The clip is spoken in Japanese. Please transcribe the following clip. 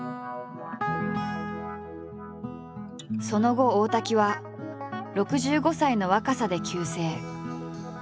その後大滝は６５歳の若さで急逝。